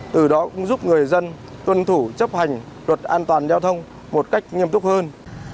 từ đó cũng giúp người dân tuân thủ chấp hành luật an toàn giao thông một cách nghiêm túc hơn